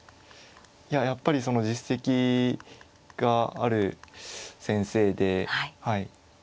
いややっぱりその実績がある先生ではい。